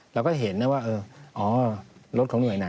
เราก็เห็นแล้วว่าอ๋อรถของหน่วยงาน